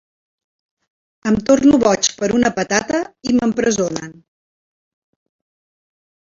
Em torno boig per una patata i m'empresonen.